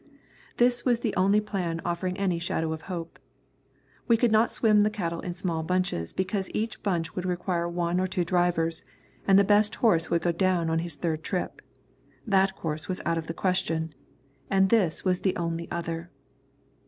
This was the only plan offering any shadow of hope. We could not swim the cattle in small bunches because each bunch would require one or two drivers, and the best horse would go down on his third trip. That course was out of the question, and this was the only other.